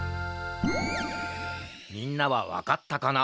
みんなはわかったかな？